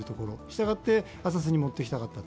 したがって浅瀬に持ってきたかった。